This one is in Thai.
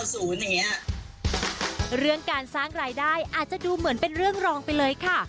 เรื่องการสร้างรายได้อาจจะดูเหมือนเป็นเรื่องรองไปเลยค่ะ